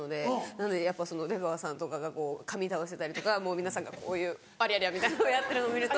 なのでやっぱ出川さんとかがかみ倒してたりとか皆さんがこういう「ありゃりゃ」みたいのをやってるのを見ると。